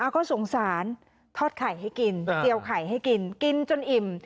ก็สงสารทอดไข่ให้กินเจียวไข่ให้กินกินจนอิ่ม